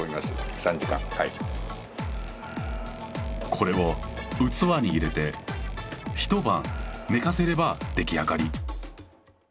これを器に入れて一晩寝かせれば出来上がり。